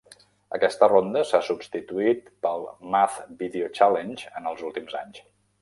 Aquesta ronda s'ha substituït pel Math Video Challenge en els últims anys.